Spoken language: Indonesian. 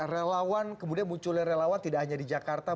relawan kemudian munculnya relawan tidak hanya di jakarta